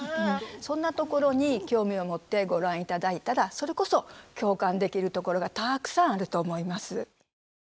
そんなところに興味を持ってご覧いただいたらそれこそ共感できるところがたくさんあると思います。